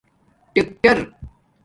ٹکیٹر